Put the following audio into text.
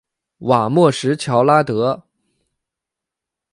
瓦莫什乔拉德。